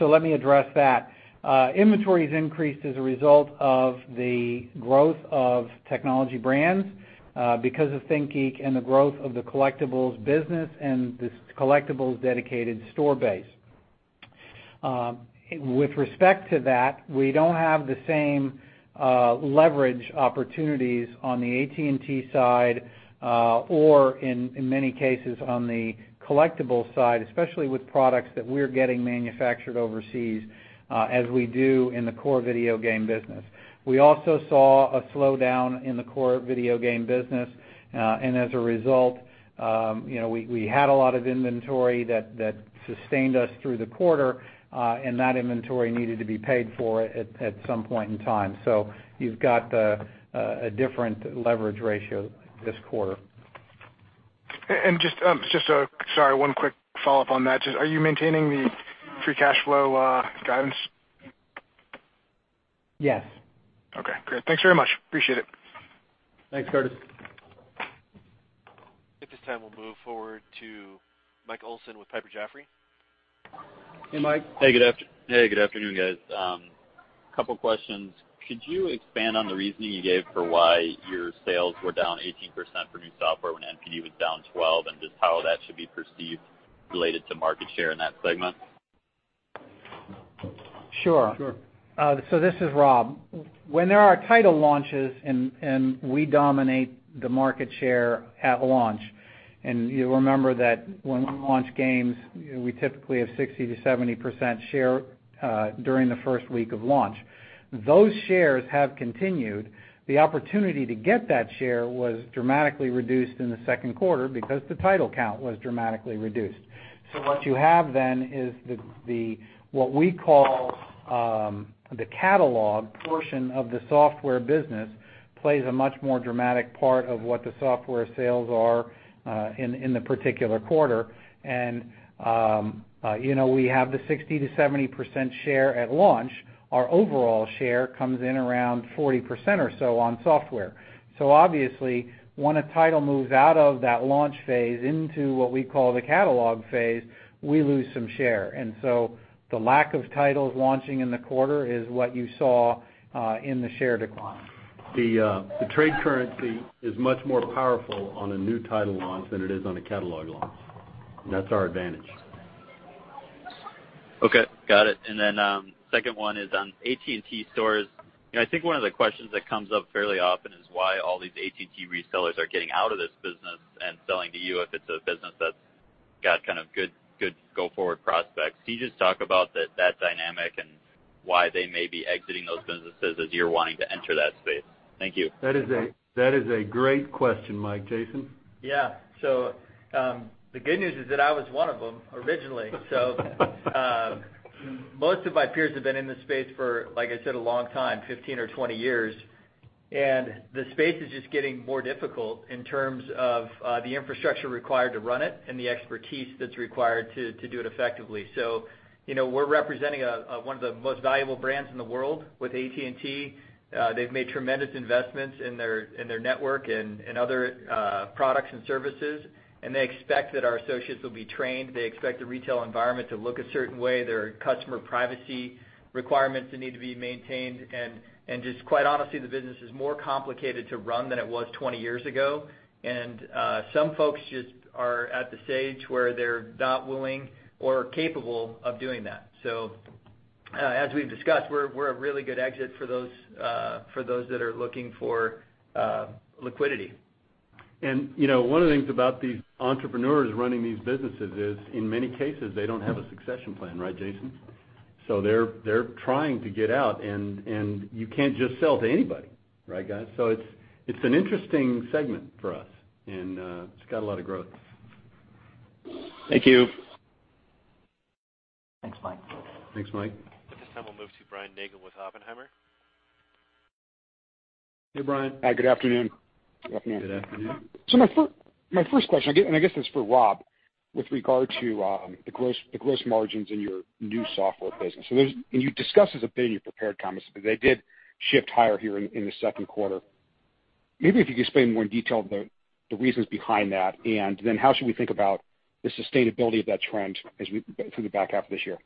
S3: Let me address that. Inventory's increased as a result of the growth of Technology Brands because of ThinkGeek and the growth of the collectibles business and this collectibles dedicated store base. With respect to that, we don't have the same leverage opportunities on the AT&T side or, in many cases, on the collectibles side, especially with products that we're getting manufactured overseas, as we do in the core video game business. We also saw a slowdown in the core video game business. As a result, we had a lot of inventory that sustained us through the quarter, and that inventory needed to be paid for at some point in time. You've got a different leverage ratio this quarter.
S8: Just, sorry, one quick follow-up on that. Just, are you maintaining the free cash flow guidance?
S3: Yes.
S8: Okay, great. Thanks very much. Appreciate it.
S2: Thanks, Curtis.
S1: At this time, we'll move forward to Mike Olson with Piper Jaffray.
S2: Hey, Mike.
S9: Hey, good afternoon, guys. Couple questions. Could you expand on the reasoning you gave for why your sales were down 18% for new software when NPD was down 12%, and just how that should be perceived related to market share in that segment?
S3: Sure.
S2: Sure.
S3: This is Rob. When there are title launches, we dominate the market share at launch, and you'll remember that when we launch games, we typically have 60%-70% share during the first week of launch. Those shares have continued. The opportunity to get that share was dramatically reduced in the second quarter because the title count was dramatically reduced. What you have then is what we call the catalog portion of the software business plays a much more dramatic part of what the software sales are in the particular quarter. We have the 60%-70% share at launch. Our overall share comes in around 40% or so on software. Obviously, when a title moves out of that launch phase into what we call the catalog phase, we lose some share. The lack of titles launching in the quarter is what you saw in the share decline.
S2: The trade currency is much more powerful on a new title launch than it is on a catalog launch. That's our advantage.
S9: Okay, got it. Second one is on AT&T stores. I think one of the questions that comes up fairly often is why all these AT&T resellers are getting out of this business and selling to you if it's a business that's got kind of good go-forward prospects. Can you just talk about that dynamic and why they may be exiting those businesses as you're wanting to enter that space? Thank you.
S2: That is a great question, Mike. Jason?
S5: The good news is that I was one of them originally. Most of my peers have been in this space for, like I said, a long time, 15 or 20 years, and the space is just getting more difficult in terms of the infrastructure required to run it and the expertise that's required to do it effectively. We're representing one of the most valuable brands in the world with AT&T. They've made tremendous investments in their network and other products and services, and they expect that our associates will be trained. They expect the retail environment to look a certain way. There are customer privacy requirements that need to be maintained, and just quite honestly, the business is more complicated to run than it was 20 years ago. Some folks just are at the stage where they're not willing or capable of doing that. As we've discussed, we're a really good exit for those that are looking for liquidity.
S2: One of the things about these entrepreneurs running these businesses is, in many cases, they don't have a succession plan, right, Jason? They're trying to get out, and you can't just sell to anybody, right, guys? It's an interesting segment for us, and it's got a lot of growth.
S9: Thank you.
S3: Thanks, Mike.
S2: Thanks, Mike.
S1: At this time, we'll move to Brian Nagel with Oppenheimer.
S2: Hey, Brian.
S10: Hi, good afternoon.
S3: Good afternoon.
S2: Good afternoon.
S10: My first question, and I guess it's for Rob, with regard to the gross margins in your new software business. You discussed this a bit in your prepared comments, but they did shift higher here in the second quarter. Maybe if you could explain in more detail the reasons behind that, and then how should we think about the sustainability of that trend through the back half of this year?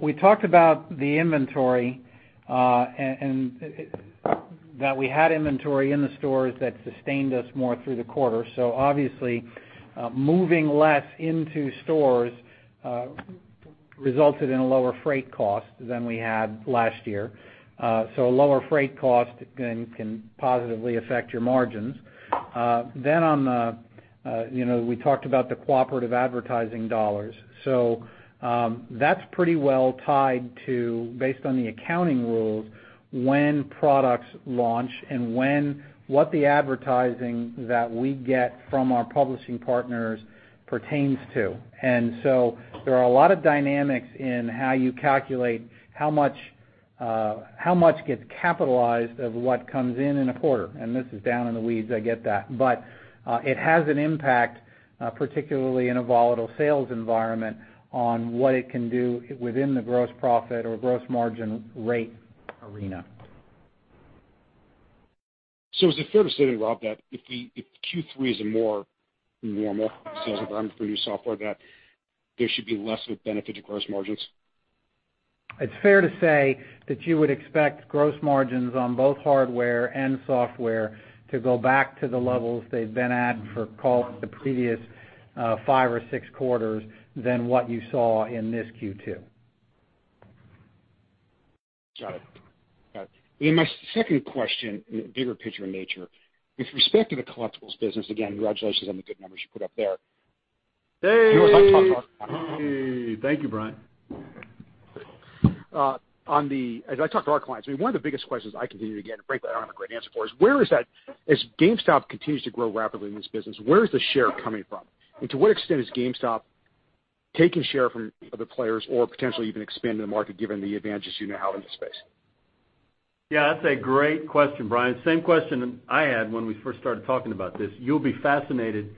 S3: We talked about the inventory, and that we had inventory in the stores that sustained us more through the quarter. Obviously, moving less into stores resulted in a lower freight cost than we had last year. A lower freight cost can positively affect your margins. We talked about the cooperative advertising dollars. That's pretty well tied to, based on the accounting rules, when products launch and what the advertising that we get from our publishing partners pertains to. There are a lot of dynamics in how you calculate how much gets capitalized of what comes in in a quarter. This is down in the weeds, I get that, but it has an impact, particularly in a volatile sales environment, on what it can do within the gross profit or gross margin rate arena.
S10: Is it fair to say then, Rob, that if Q3 is a more normal sales environment for your software, that there should be less of a benefit to gross margins?
S3: It's fair to say that you would expect gross margins on both hardware and software to go back to the levels they've been at for call it, the previous five or six quarters than what you saw in this Q2.
S10: Got it. My second question, bigger picture in nature. With respect to the collectibles business, again, congratulations on the good numbers you put up there.
S3: Hey. Thank you, Brian.
S10: As I talk to our clients, I mean, one of the biggest questions I continue to get, and frankly, I don't have a great answer for, is as GameStop continues to grow rapidly in this business, where is the share coming from? To what extent is GameStop taking share from other players or potentially even expanding the market given the advantages you now have in the space?
S2: Yeah, that's a great question, Brian. Same question I had when we first started talking about this. You'll be fascinated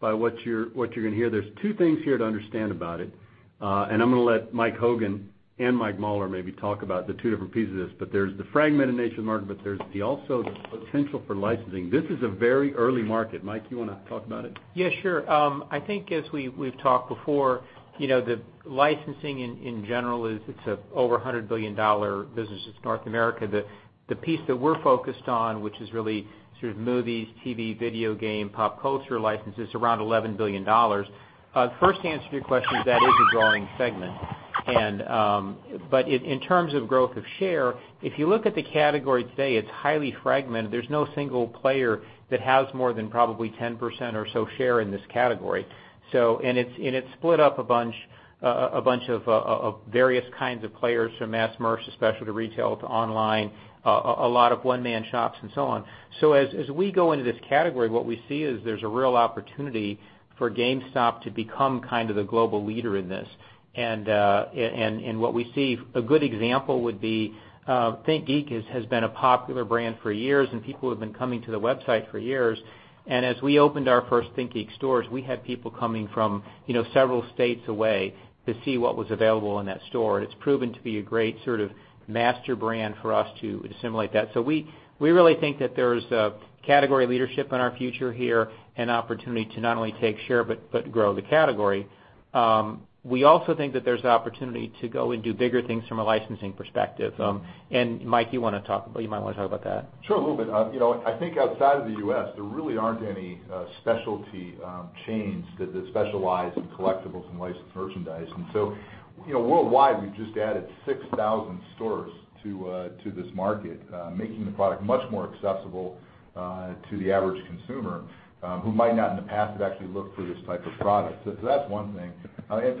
S2: by what you're going to hear. There's two things here to understand about it. I'm going to let Mike Hogan and Mike Mauler maybe talk about the two different pieces of this, there's the fragmented nature of the market, there's also the potential for licensing. This is a very early market. Mike, you want to talk about it?
S11: Yeah, sure. I think as we've talked before, the licensing in general is, it's a over $100 billion business just in North America. The piece that we're focused on, which is really sort of movies, TV, video game, pop culture licenses, around $11 billion. First, to answer your question, is that is a growing segment. In terms of growth of share, if you look at the category today, it's highly fragmented. There's no single player that has more than probably 10% or so share in this category. It's split up a bunch of various kinds of players from mass merch, to specialty retail, to online, a lot of one-man shops and so on. As we go into this category, what we see is there's a real opportunity for GameStop to become kind of the global leader in this. What we see, a good example would be, ThinkGeek has been a popular brand for years, and people have been coming to the website for years. As we opened our first ThinkGeek stores, we had people coming from several states away to see what was available in that store. It's proven to be a great sort of master brand for us to assimilate that. We really think that there's a category leadership in our future here, an opportunity to not only take share, but grow the category. We also think that there's opportunity to go and do bigger things from a licensing perspective. Mike, you might want to talk about that.
S12: Sure, a little bit. I think outside of the U.S., there really aren't any specialty chains that specialize in collectibles and licensed merchandise. Worldwide, we've just added 6,000 stores to this market, making the product much more accessible to the average consumer, who might not, in the past, have actually looked for this type of product. That's one thing.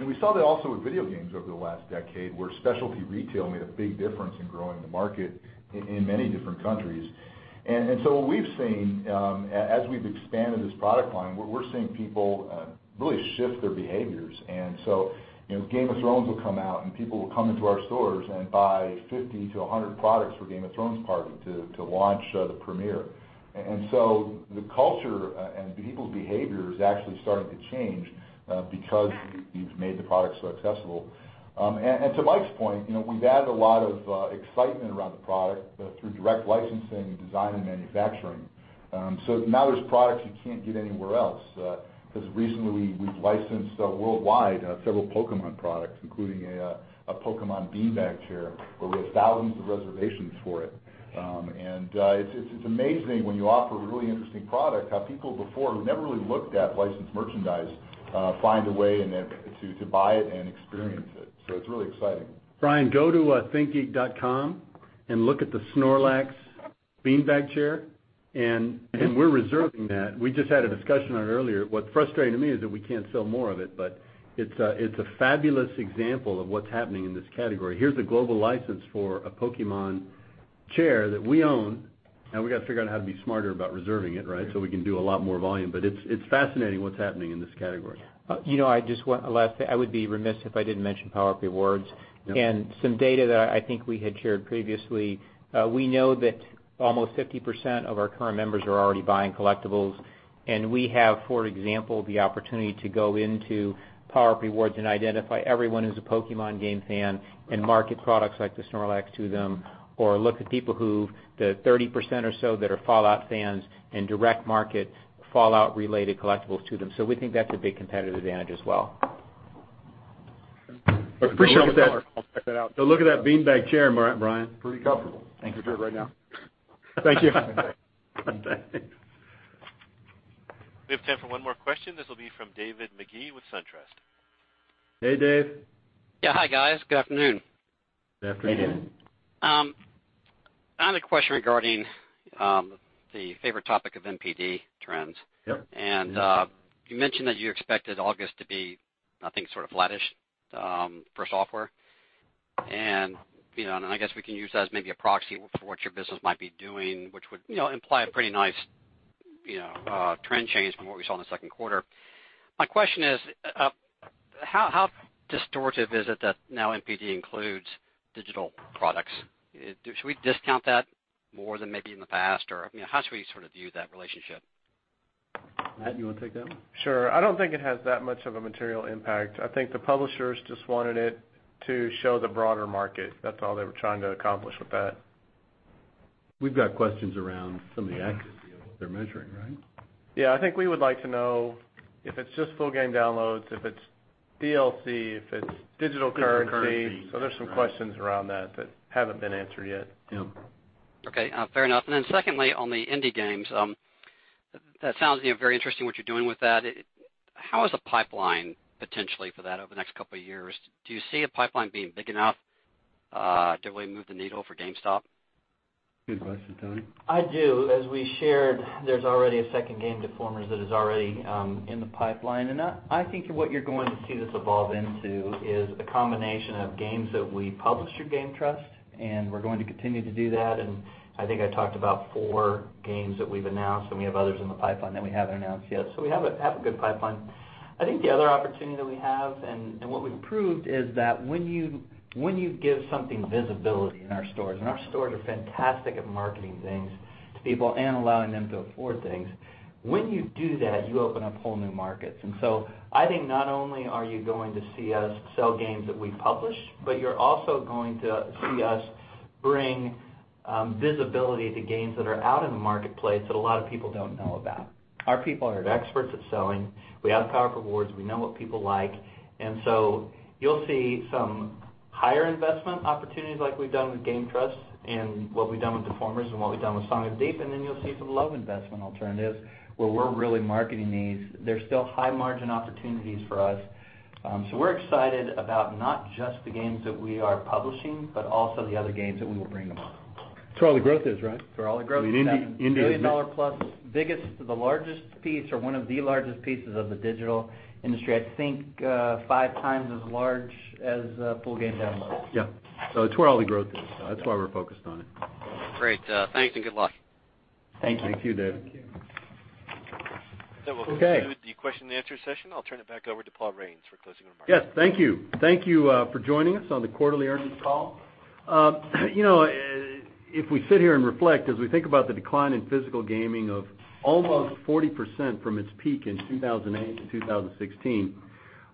S12: We saw that also with video games over the last decade, where specialty retail made a big difference in growing the market in many different countries. What we've seen, as we've expanded this product line, we're seeing people really shift their behaviors. Game of Thrones will come out, and people will come into our stores and buy 50 to 100 products for a Game of Thrones party to launch the premiere. The culture and people's behavior is actually starting to change because we've made the product so accessible. To Mike's point, we've added a lot of excitement around the product through direct licensing and design and manufacturing. Now there's products you can't get anywhere else. Recently, we've licensed worldwide several Pokémon products, including a Pokémon beanbag chair, where we have thousands of reservations for it. It's amazing when you offer a really interesting product, how people before who never really looked at licensed merchandise, find a way to buy it and experience it. It's really exciting.
S2: Brian, go to thinkgeek.com and look at the Snorlax beanbag chair, and we're reserving that. We just had a discussion on it earlier. What's frustrating to me is that we can't sell more of it, but it's a fabulous example of what's happening in this category. Here's a global license for a Pokémon chair that we own. We got to figure out how to be smarter about reserving it, so we can do a lot more volume. It's fascinating what's happening in this category.
S11: I would be remiss if I didn't mention PowerUp Rewards and some data that I think we had shared previously. We know that almost 50% of our current members are already buying collectibles, and we have, for example, the opportunity to go into PowerUp Rewards and identify everyone who's a Pokémon game fan and market products like the Snorlax to them, or look at people who, the 30% or so that are Fallout fans, and direct market Fallout related collectibles to them. We think that's a big competitive advantage as well.
S2: Appreciate that.
S4: I'll check that out.
S2: Look at that beanbag chair, Brian.
S10: Pretty comfortable. Thanks. Can do it right now.
S2: Thank you. One time.
S1: We have time for one more question. This will be from David Magee with SunTrust.
S2: Hey, Dave.
S13: Yeah. Hi, guys. Good afternoon.
S2: Good afternoon.
S4: Good afternoon.
S13: I have a question regarding the favorite topic of NPD trends.
S2: Yep.
S13: You mentioned that you expected August to be, I think, sort of flat-ish, for software and I guess we can use that as maybe a proxy for what your business might be doing, which would imply a pretty nice trend change from what we saw in the second quarter. My question is, how distortive is it that now NPD includes digital products? Should we discount that more than maybe in the past, or how should we view that relationship?
S2: Matt, you want to take that one?
S14: Sure. I don't think it has that much of a material impact. I think the publishers just wanted it to show the broader market. That's all they were trying to accomplish with that.
S2: We've got questions around some of the accuracy of what they're measuring, right?
S14: Yeah. I think we would like to know if it's just full game downloads, if it's DLC, if it's digital currency.
S2: Currency.
S14: There's some questions around that that haven't been answered yet.
S2: Yeah.
S13: Okay. Fair enough. Secondly, on the indie games, that sounds very interesting what you're doing with that. How is the pipeline potentially for that over the next couple of years? Do you see a pipeline being big enough to really move the needle for GameStop?
S2: Good question, Tony.
S4: I do. As we shared, there's already a second game, "Deformers," that is already in the pipeline. I think what you're going to see this evolve into is a combination of games that we publish through GameTrust, we're going to continue to do that. I think I talked about four games that we've announced, we have others in the pipeline that we haven't announced yet. We have a good pipeline. I think the other opportunity that we have, and what we've proved, is that when you give something visibility in our stores, our stores are fantastic at marketing things to people and allowing them to afford things. When you do that, you open up whole new markets. I think not only are you going to see us sell games that we publish, but you're also going to see us bring visibility to games that are out in the marketplace that a lot of people don't know about. Our people are experts at selling. We have PowerUp Rewards. We know what people like. You'll see some higher investment opportunities like we've done with GameTrust and what we've done with "Deformers" and what we've done with "Song of the Deep," you'll see some low investment alternatives where we're really marketing these. They're still high-margin opportunities for us. We're excited about not just the games that we are publishing, but also the other games that we will bring to market.
S2: It's where all the growth is, right?
S4: It's where all the growth is.
S2: I mean, indie is
S4: A billion-dollar-plus, biggest, the largest piece or one of the largest pieces of the digital industry. I think, five times as large as full game downloads.
S2: Yeah. It's where all the growth is. That's why we're focused on it.
S13: Great. Thanks and good luck.
S4: Thank you.
S2: Thank you, Dave.
S14: Thank you.
S1: That will conclude.
S2: Okay
S1: The question and answer session. I'll turn it back over to Paul Raines for closing remarks.
S2: Yes. Thank you. Thank you for joining us on the quarterly earnings call. If we sit here and reflect, as we think about the decline in physical gaming of almost 40% from its peak in 2008 to 2016,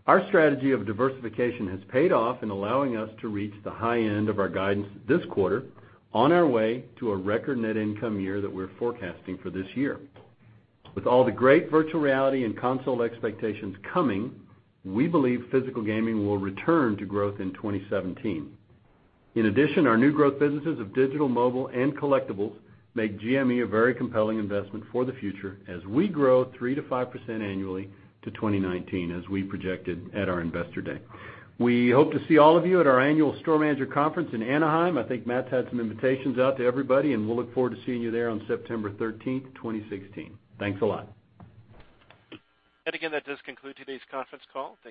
S2: our strategy of diversification has paid off in allowing us to reach the high end of our guidance this quarter, on our way to a record net income year that we're forecasting for this year. With all the great virtual reality and console expectations coming, we believe physical gaming will return to growth in 2017. In addition, our new growth businesses of digital, mobile, and collectibles make GME a very compelling investment for the future, as we grow 3%-5% annually to 2019, as we projected at our investor day. We hope to see all of you at our annual store manager conference in Anaheim. I think Matt's had some invitations out to everybody, and we'll look forward to seeing you there on September 13th, 2016. Thanks a lot.
S1: Again, that does conclude today's conference call.